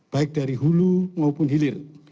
baik dari hulu maupun hilir